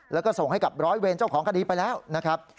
แล้วก็ส่งให้กับร้อยเวรเจ้าของคดีไปแล้วนะครับ